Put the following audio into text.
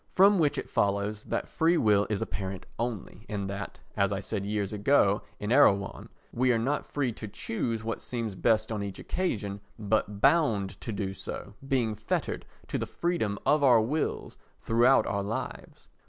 From which it follows that free will is apparent only, and that, as I said years ago in Erewhon, we are not free to choose what seems best on each occasion but bound to do so, being fettered to the freedom of our wills throughout our lives.